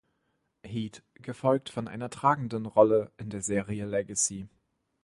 Heat", gefolgt von einer tragenden Rolle in der Serie "Legacy".